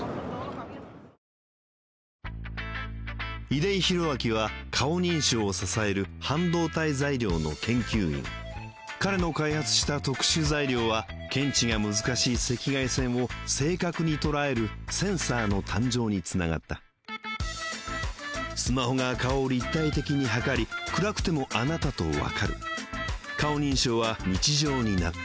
出井宏明は顔認証を支える半導体材料の研究員彼の開発した特殊材料は検知が難しい赤外線を正確に捉えるセンサーの誕生につながったスマホが顔を立体的に測り暗くてもあなたとわかる顔認証は日常になった